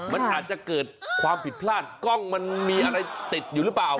มันอาจจะเกิดความผิดพลาดกล้องมันมีอะไรติดอยู่หรือเปล่า